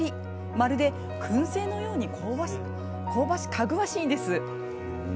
まるで、くん製のようにかぐわしいんです。